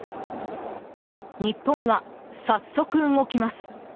日本が早速動きます。